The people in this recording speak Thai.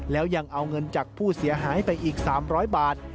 แล้วยังเอาเงินจากผู้เสียหายไปอีก๓๐๐บาท